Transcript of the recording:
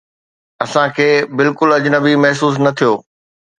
اسان کي بلڪل اجنبي محسوس نه ٿيو